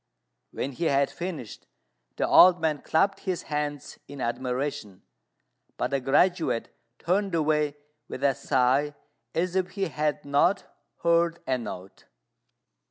When he had finished, the old man clapped his hands in admiration; but the graduate turned away with a sigh, as if he had not heard a note.